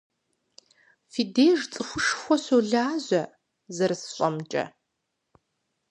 Фи деж цӀыхушхуэ щолажьэ, зэрысщӀэмкӀэ.